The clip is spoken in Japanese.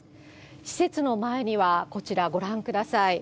施設の前にはこちら、ご覧ください。